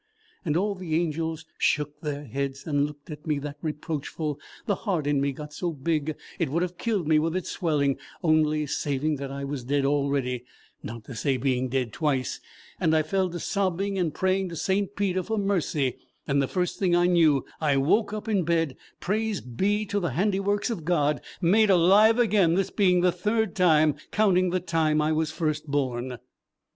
And all the angels shook their heads, and looked at me that reproachful the heart in me got so big it would have killed me with its swelling only saving that I was dead already, not to say being dead twice; and I fell to sobbing and praying to St. Peter for mercy, and the first thing I knew I woke up in bed, praise be to the handiworks of God! made alive again, this being the third time, counting the time I was first born."